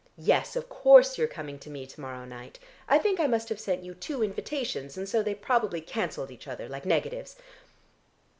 Yes, of course you're coming to me to morrow night. I think I must have sent you two invitations, and so they probably cancelled each other like negatives.